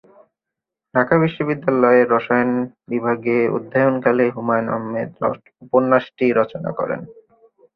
ঢাকা বিশ্ববিদ্যালয়ে রসায়ন বিভাগে অধ্যয়নকালে হুমায়ূন আহমেদ উপন্যাসটি রচনা করেন।